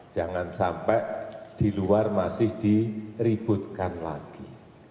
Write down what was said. jangan sampai di luar masih diributkan lagi